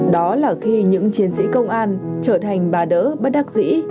đó là khi những chiến sĩ công an trở thành bà đỡ bất đắc dĩ